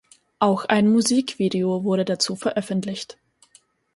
Auch ein Musikvideo wurde dazu veröffentlicht.